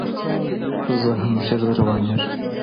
زه هم ژر در روانېږم